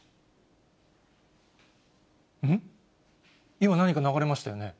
今、何か流れましたよね？